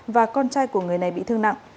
và con trai của người này bị thương nặng